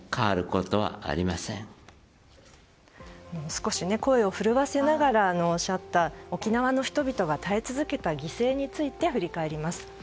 少し声を震わせながらおっしゃった沖縄の人々が耐え続けた犠牲について振り返ります。